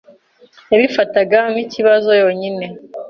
yabifataga nk’ikibazo yonyine